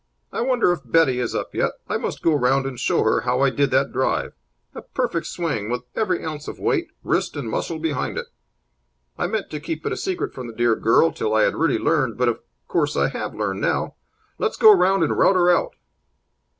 I wonder if Betty is up yet. I must go round and show her how I did that drive. A perfect swing, with every ounce of weight, wrist, and muscle behind it. I meant to keep it a secret from the dear girl till I had really learned, but of course I have learned now. Let's go round and rout her out."